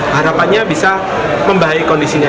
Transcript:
harapannya bisa membaik kondisinya